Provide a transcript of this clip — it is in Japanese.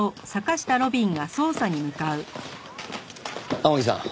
天樹さん